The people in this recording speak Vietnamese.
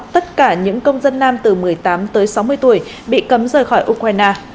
tất cả những công dân nam từ một mươi tám tới sáu mươi tuổi bị cấm rời khỏi ukraine